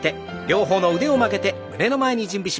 両方の腕を曲げて胸の前に。